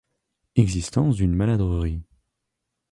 Existence d'une maladrerie.